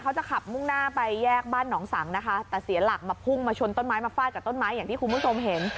เขาจะขับมุ่งหน้าไปแยกบ้านหนองสังนะคะแต่เสียหลักมาพุ่งมาชนต้นไม้มาฟาดกับต้นไม้อย่างที่คุณผู้ชมเห็น